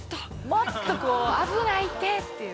もっとこう「危ないって！」っていう。